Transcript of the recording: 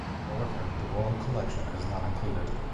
However the Royal Collection is not included.